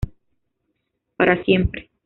Para Siempre